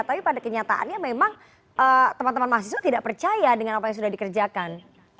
tapi pada kenyataannya memang teman teman mahasiswa tidak percaya dengan apa yang sudah dikerjakan